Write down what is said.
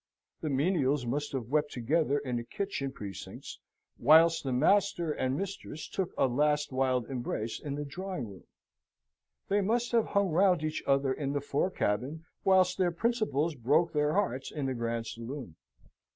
The menials must have wept together in the kitchen precincts whilst the master and mistress took a last wild embrace in the drawing room; they must have hung round each other in the fore cabin, whilst their principals broke their hearts in the grand saloon.